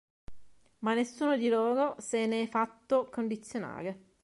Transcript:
Ma nessuno di loro se ne è fatto condizionare".